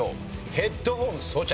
ヘッドホン装着。